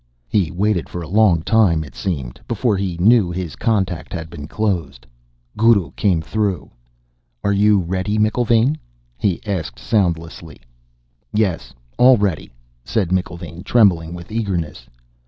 He waited for a long time, it seemed, before he knew his contact had been closed. Guru came through. "Are you ready, McIlvaine?" he asked soundlessly. "Yes. All ready," said McIlvaine, trembling with eagerness.